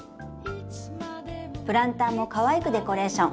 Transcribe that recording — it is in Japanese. プランターもかわいくデコレーション。